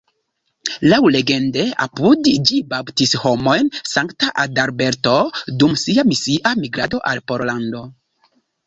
Laŭlegende apud ĝi baptis homojn Sankta Adalberto, dum sia misia migrado al Pollando.